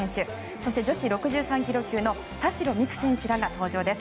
そして、女子６３ｋｇ級の田代未来選手らが登場です。